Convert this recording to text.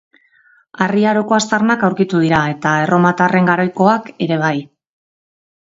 Harri Aroko aztarnak aurkitu dira eta erromatarren garaikoak ere bai.